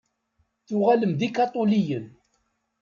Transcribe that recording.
Tuɣalem d ikaṭuliyen.